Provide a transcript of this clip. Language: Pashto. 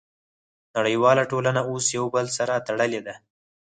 نړیواله ټولنه اوس یو بل سره تړلې ده